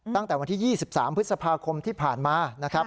ตั้งแต่วันที่๒๓พฤษภาคมที่ผ่านมานะครับ